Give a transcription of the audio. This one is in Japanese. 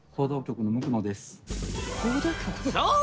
そう！